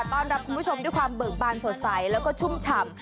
ต้อนรับคุณผู้ชมด้วยความเบิกบานสดใสแล้วก็ชุ่มฉ่ำ